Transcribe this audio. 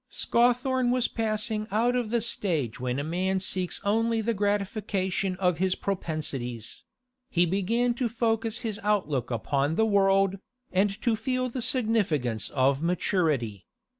Scawthorne was passing out of the stage when a man seeks only the gratification of his propensities; he began to focus his outlook upon the world, and to feel the significance of maturity.